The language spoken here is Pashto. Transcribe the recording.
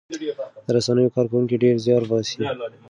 د رسنیو کارکوونکي ډېر زیار باسي.